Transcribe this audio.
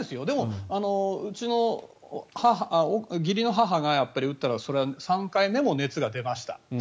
でも、うちの義理の母が打ったらそれは３回目も熱が出ました。